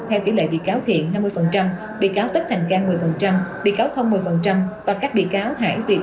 theo kỷ lệ bị cáo thiện năm mươi bị cáo tất thành can một mươi bị cáo thông một mươi và các bị cáo hải việt